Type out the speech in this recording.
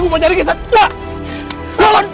gua mau nyari kesan